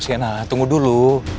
siena tunggu dulu